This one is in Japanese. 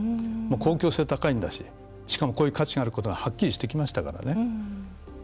公共性が高いんだし、しかもこういう価値があることがはっきりしてきましたからね。